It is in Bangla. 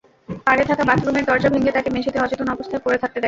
পরে তাঁরা বাথরুমের দরজা ভেঙে তাঁকে মেঝেতে অচেতন অবস্থায় পড়ে থাকতে দেখেন।